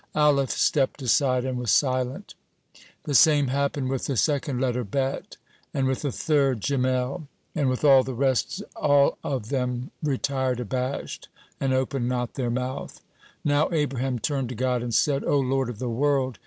Alef stepped aside and was silent. The same happened with the second letter Bet, (35) and with the third, Gimel, and with all the rest all of them retired abashed, and opened not their mouth. Now Abraham turned to God and said: "O Lord of the world!